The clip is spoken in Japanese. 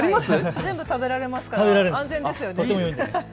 全部食べられるから安全ですよね。